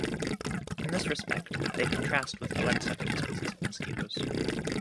In this respect, they contrast with blood-sucking species of mosquitoes.